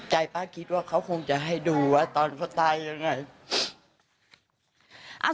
ป้าคิดว่าเขาคงจะให้ดูว่าตอนเขาตายยังไง